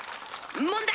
問題！